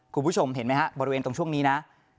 คุณผู้ชมเห็นไหมฮะบริเวณตรงช่วงนี้นะ